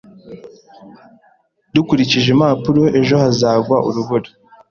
Dukurikije impapuro, ejo hazagwa urubura